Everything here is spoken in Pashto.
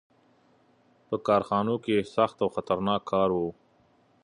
• په کارخانو کې سخت او خطرناک کار و.